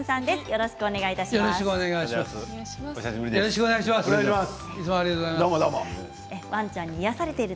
よろしくお願いします。